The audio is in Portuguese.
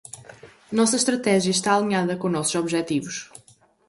Nossa estratégia está alinhada com nossos objetivos.